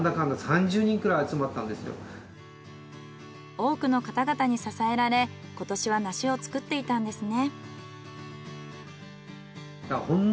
多くの方々に支えられ今年は梨を作っていたんですね。